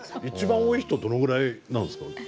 一番多い人どのぐらいなんですか？